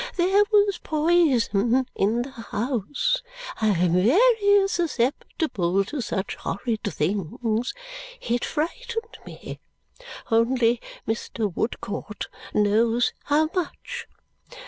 There was poison in the house. I am very susceptible to such horrid things. It frightened me. Only Mr. Woodcourt knows how much.